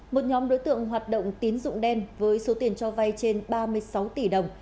một nhóm đối tượng hoạt động tín dụng đen với số tiền cho vay trên ba mươi sáu tỷ đồng